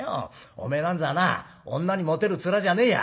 お前なんざはな女にモテる面じゃねえや」。